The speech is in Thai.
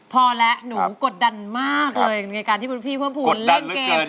พอแล้วหนูกดดันมากเลยในการที่พี่เพิ่มพูนเล่นเกมกดดันกดดันลึกเกิน